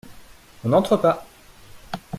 On n’entre pas !…